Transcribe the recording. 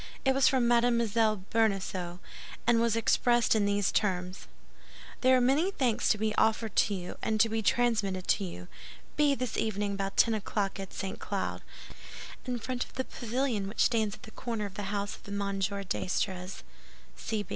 It was from Mme. Bonacieux, and was expressed in these terms: "There are many thanks to be offered to you, and to be transmitted to you. Be this evening about ten o'clock at St. Cloud, in front of the pavilion which stands at the corner of the house of M. d'Estrées.